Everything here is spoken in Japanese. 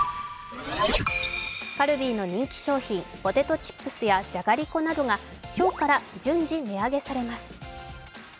カルビーの人気商品ポテトチップスやじゃがりこなどが今日から順次値上げされます。